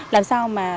làm sao mà